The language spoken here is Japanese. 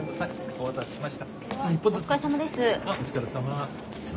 お疲れさまです。